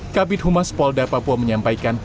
kabit humas polda papua menyampaikan